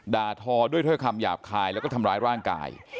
ด่าทอด้วยคำหยาบคายและก็ทำร้ายร่างกาย